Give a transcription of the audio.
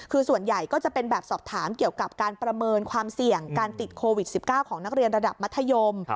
คือส่วนใหญ่ก็จะเป็นแบบสอบถามเกี่ยวกับการประเมินความเสี่ยงการติดโควิด๑๙ของนักเรียนระดับมัธยม